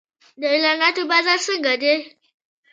د اعلاناتو بازار څنګه دی؟